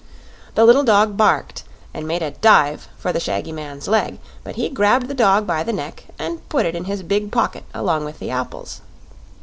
The little dog barked and made a dive for the shaggy man's leg; but he grabbed the dog by the neck and put it in his big pocket along with the apples.